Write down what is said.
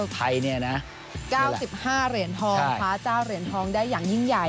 ไทยเนี่ยนะ๙๕เหรียญทองคว้าเจ้าเหรียญทองได้อย่างยิ่งใหญ่